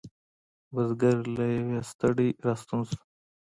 بزگر له یویې ستړی را ستون شو.